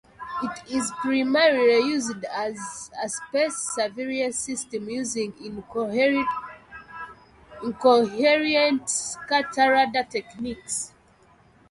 It is primarily used as a space surveillance system using incoherent scatter radar techniques.